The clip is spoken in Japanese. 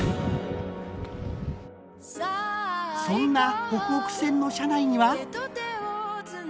そんなほくほく線の車内には。